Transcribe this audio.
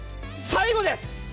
最後です！